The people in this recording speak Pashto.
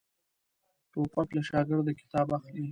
توپک له شاګرده کتاب اخلي.